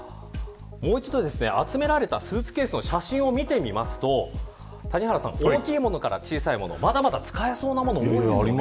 集められたスーツケースの写真を見てみますと大きいものから小さいものまだまだ使えそうなものあります。